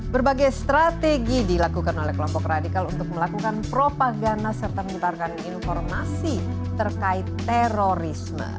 berbagai strategi dilakukan oleh kelompok radikal untuk melakukan propagana serta menyebarkan informasi terkait terorisme